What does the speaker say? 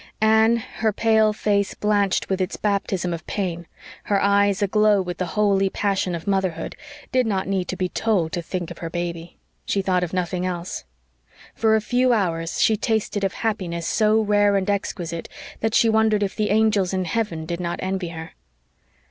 Anne, her pale face blanched with its baptism of pain, her eyes aglow with the holy passion of motherhood, did not need to be told to think of her baby. She thought of nothing else. For a few hours she tasted of happiness so rare and exquisite that she wondered if the angels in heaven did not envy her.